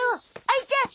あいちゃん